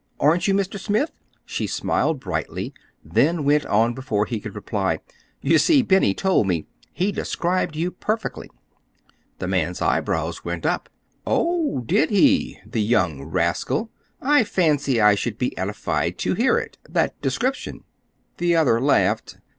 Aren't you Mr. Smith?" She smiled brightly, then went on before he could reply. "You see, Benny told me. He described you perfectly." The man's eyebrows went up. "Oh, did he? The young rascal! I fancy I should be edified to hear it—that description." The other laughed.